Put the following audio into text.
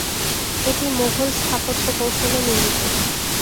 এটি মুঘল স্থাপত্য কৌশলে নির্মিত।